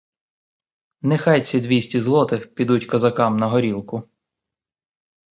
Нехай ці двісті злотих підуть козакам на горілку.